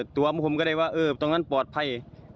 ตัวผมก็ได้ว่าตรงนั้นปลอดภัย